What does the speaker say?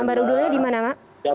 amburadulnya di mana pak